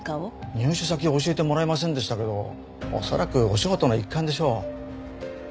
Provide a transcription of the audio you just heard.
入手先は教えてもらえませんでしたけど恐らくお仕事の一環でしょう。